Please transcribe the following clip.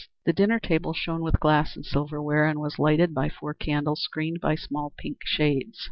The dinner table shone with glass and silver ware, and was lighted by four candles screened by small pink shades.